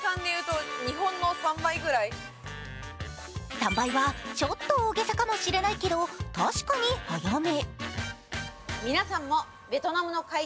３倍はちょっと大げさかもしれないけど、確かに速め。